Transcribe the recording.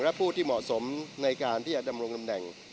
และผู้ที่เหมาะสมในการที่จะดำรงตำแหน่ง